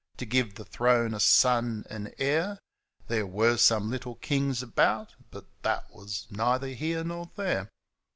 To give the throne a son and heir — (There were some little kings about, But that was neither here nor there).